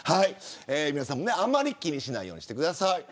皆さんもあんまり気にしないようにしてください。